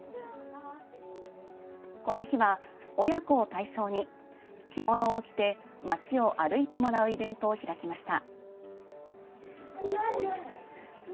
この日は親子を対象に、着物を着て町を歩いてもらうイベントを開きました。